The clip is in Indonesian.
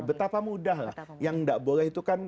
betapa mudah lah yang tidak boleh itu kan